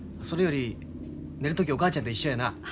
それより寝る時お母ちゃんと一緒やな。